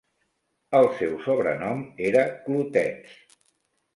El seu sobrenom era "Clotets".